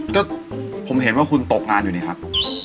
ก็ผมเห็นว่าคุณตกงานอยู่นี่ครับ